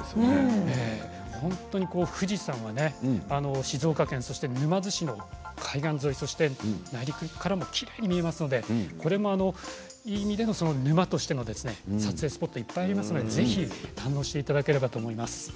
富士山が静岡県沼津市の海岸沿い内陸からもきれいに見えますからいい意味での沼としての撮影スポットいっぱいありますので、ぜひ堪能していただければと思います。